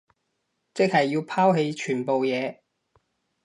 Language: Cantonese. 即係要拋棄全部嘢